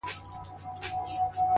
o زړگى مي غواړي چي دي خپل كړمه زه ـ